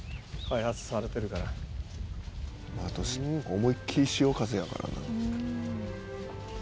「あと思いっきり潮風やからな」